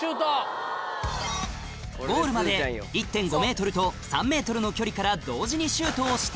ゴールまで１．５ｍと３ｍの距離から同時にシュートをして